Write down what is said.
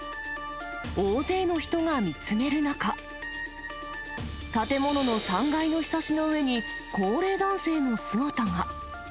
大勢の人が見つめる中、建物の３階のひさしの上に、高齢男性の姿が。